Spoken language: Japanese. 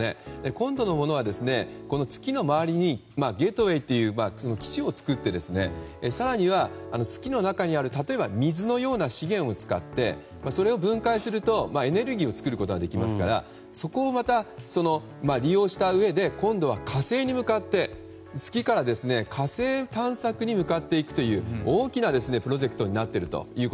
今度のものは、月の周りにゲートウェイという基地を作って更には月の中にある例えば水のような資源を使ってそれを分解すると、エネルギーを作ることができますからそこをまた、利用したうえで今度は月から火星探索に向かっていくという大きなプロジェクトになっていると。